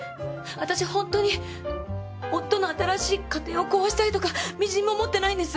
私本当に夫の新しい家庭を壊したいとかみじんも思ってないんです。